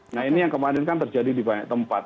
nah ini yang kemarin kan terjadi di banyak tempat